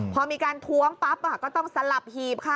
พอมีการท้วงปั๊บก็ต้องสลับหีบค่ะ